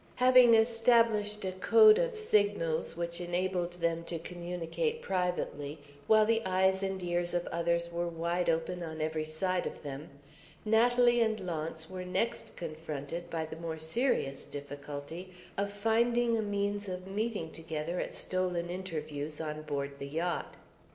Having established a Code of Signals which enabled them to communicate privately, while the eyes and ears of others were wide open on every side of them, Natalie and Launce were next confronted by the more serious difficulty of finding a means of meeting together at stolen interviews on board the yacht.